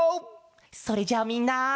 それじゃあみんな。